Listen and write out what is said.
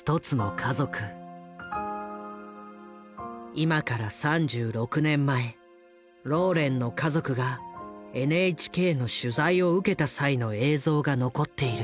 今から３６年前ローレンの家族がＮＨＫの取材を受けた際の映像が残っている。